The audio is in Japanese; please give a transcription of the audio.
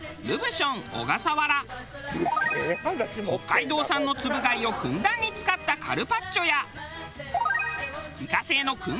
北海道産のつぶ貝をふんだんに使ったカルパッチョや自家製の燻製